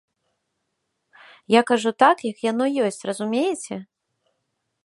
Я кажу так, як яно ёсць, разумееце?